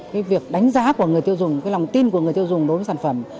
cái việc đánh giá của người tiêu dùng cái lòng tin của người tiêu dùng đối với sản phẩm